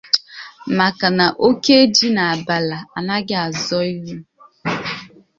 maka na oke ji nà àbàlà anaghị azọ ihu